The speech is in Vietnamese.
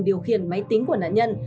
điều khiển máy tính của nạn nhân